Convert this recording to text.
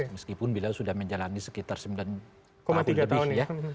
meskipun bila sudah menjalani sekitar sembilan tiga tahun